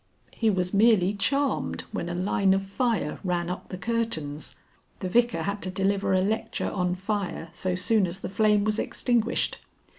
He was merely charmed when a line of fire ran up the curtains. The Vicar had to deliver a lecture on fire so soon as the flame was extinguished.